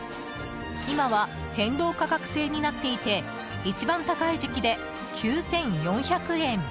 今は変動価格制になっていて一番高い時期で９４００円。